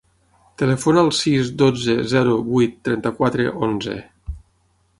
Telefona al sis, dotze, zero, vuit, trenta-quatre, onze.